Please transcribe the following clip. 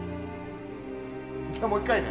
じゃあもう１回ね。